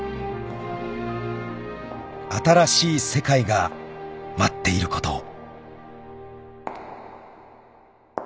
［新しい世界が待っていることを］